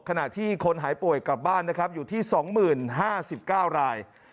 ขณะที่คนหายป่วยกลับบ้านนะครับอยู่ที่๒๐๕๙ราย